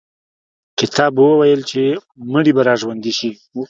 کتاب وویل چې مړي به را ژوندي شي.